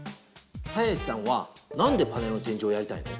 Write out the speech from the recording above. サヤシさんはなんでパネルの展示をやりたいの？